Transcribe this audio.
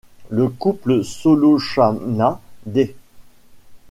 Le couple Sulochana-D.